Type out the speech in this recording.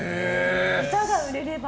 歌が売れれば。